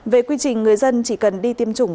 về quy trình người dân chỉ cần đi tiêm chủng